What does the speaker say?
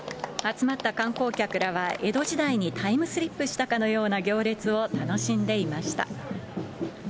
集まった観光客らは、江戸時代にタイムスリップしたかのような行列を楽しんでいました。